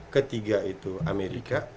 ketiga itu amerika